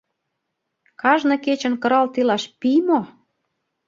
Кажне кечын кыралт илаш пий мо?